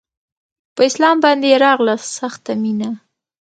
په اسلام باندې يې راغله سخته مينه